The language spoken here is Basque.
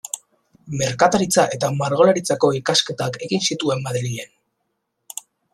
Merkataritza eta Margolaritzako ikasketak egin zituen Madrilen.